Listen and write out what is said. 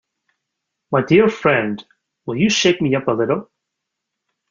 My dear friend, will you shake me up a little?